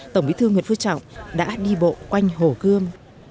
tổng bí thư nguyễn phú trọng đã đi bộ quanh hồ gươm